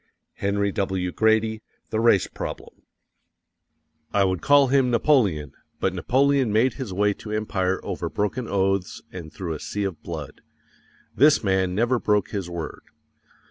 _ HENRY W. GRADY, The Race Problem. ... I WOULD CALL HIM NAPOLEON, but Napoleon made his way to empire over broken oaths and through a sea of blood. This man never broke his word.